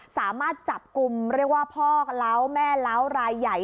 สามารถจับกลุ่มเรียกว่าพ่อเล้าแม่เล้ารายใหญ่